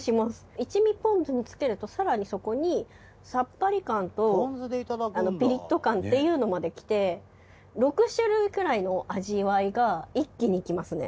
一味ポン酢につけると更にそこにさっぱり感とピリッと感っていうのまできて６種類くらいの味わいが一気にきますね。